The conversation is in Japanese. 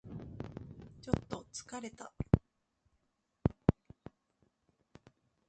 ちょっと疲れた